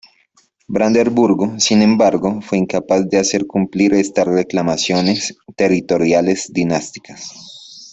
Brandeburgo, sin embargo, fue incapaz de hacer cumplir estas reclamaciones territoriales dinásticas.